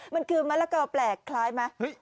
มันคือมะละกอแปลกคล้ายไหม